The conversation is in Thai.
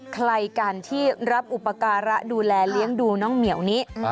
ใครกันที่รับอุปการะดูแลเลี้ยงดูน้องเหมียวนี้